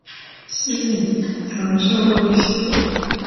西晋曾设过陇西国。